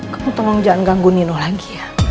kamu tolong jangan ganggu ninuh lagi ya